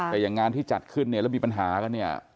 แต่อย่างงานที่จัดขึ้นเนี่ยแล้วมีปัญหากันเนี่ย